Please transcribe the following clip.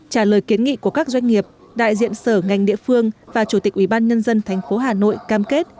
trả lời kiến nghị của các doanh nghiệp đại diện sở ngành địa phương và chủ tịch ubnd tp hà nội cam kết